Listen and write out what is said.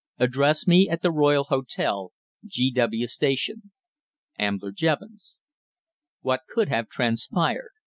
Address me at the Royal Hotel, G. W. Station._ "AMBLER JEVONS." What could have transpired?